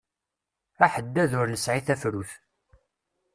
Aḥeddad ur nesɛi tafrut.